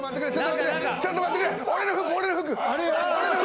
ちょっと待ってくれ！